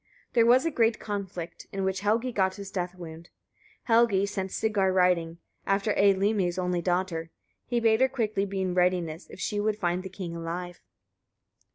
There was a great conflict, in which Helgi got his death wound. 36. Helgi sent Sigar riding, after Eylimi's only daughter: he bade her quickly be in readiness, if she would find the king alive.